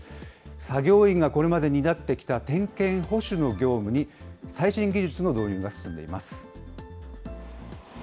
作業員がこれまで担ってきた点検保守の業務に、最新技術の導入が進んでいます。